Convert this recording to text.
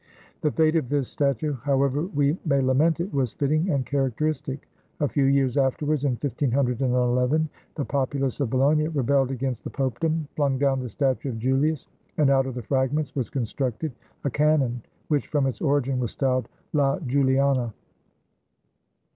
The fate of this statue, however we may lament it, was fitting and characteristic: a few years afterwards, in 151 1, the populace of Bologna rebelled against the popedom, flung down the statue of Julius, and out of the fragm.ents was constructed a cannon, which from its origin was styled "La Giuliana."